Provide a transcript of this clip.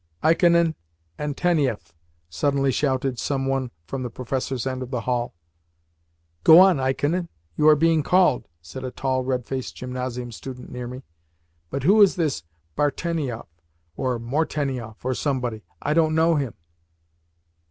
"Ikonin and Tenieff!" suddenly shouted some one from the professors' end of the hall. "Go on, Ikonin! You are being called," said a tall, red faced gymnasium student near me. "But who is this BARtenieff or MORtenieff or somebody? I don't know him."